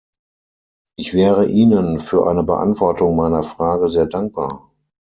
Ich wäre Ihnen für eine Beantwortung meiner Frage sehr dankbar.